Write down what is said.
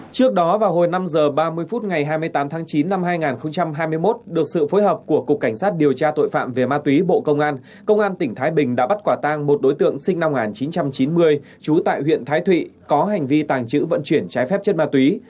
trước đó vào hồi năm h ba mươi phút ngày hai mươi tám tháng chín năm hai nghìn hai mươi một được sự phối hợp của cục cảnh sát điều tra tội phạm về ma túy bộ công an công an tỉnh thái bình đã bắt quả tang một đối tượng sinh năm một nghìn chín trăm chín mươi trú tại huyện thái thụy có hành vi tàng trữ vận chuyển trái phép chất ma túy